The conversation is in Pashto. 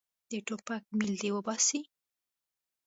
د ټوپک میل دې وباسي.